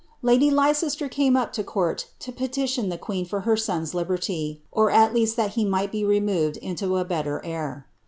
Lady Leicester came up to court to petition the queen for her son's libertv. or at least that he might be removed into a belter air.